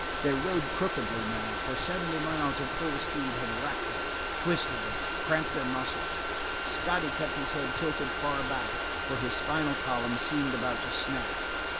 They rode crookedly, now, for seventy miles at full speed had racked them, twisted them, cramped their muscles. Scotty kept his head tilted far back, for his spinal column seemed about to snap.